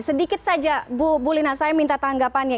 saya ajak bu lina saya minta tanggapannya